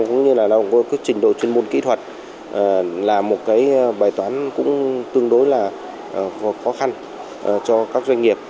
cũng như là lao động có trình độ chuyên môn kỹ thuật là một cái bài toán cũng tương đối là khó khăn cho các doanh nghiệp